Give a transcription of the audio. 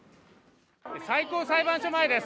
最高裁判所前です。